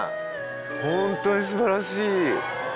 本当に素晴らしい。